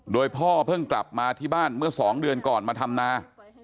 โดยพ่อเพิ่งกลับมาที่บ้านเมื่อ๒เดือนก่อนมาทำนา